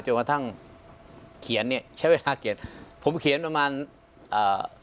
จนกระทั่งเขียนเนี้ยใช้เวลาเขียนผมเขียนประมาณอ่า